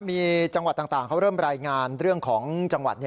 มีจังหวัดต่างเขาเริ่มรายงานเรื่องของจังหวัด